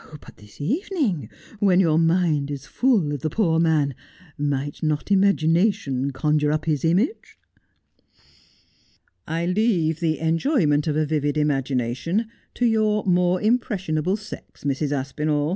' But this evening, when your mind is full of the poor man, might not imagination conjure up his image 1 '' I leave the enjoyment of a vivid imagination to your more impressionable sex, Mrs. Aspinall.